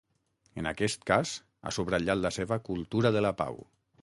En aquest cas, ha subratllat la seva ‘cultura de la pau’.